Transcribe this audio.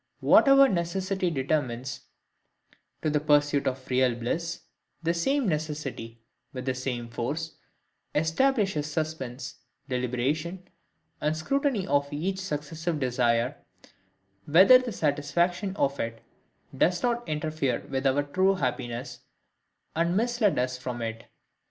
Whatever necessity determines to the pursuit of real bliss, the same necessity, with the same force, establishes suspense, deliberation, and scrutiny of each successive desire, whether the satisfaction of it does not interfere with our true happiness, and mislead us from it.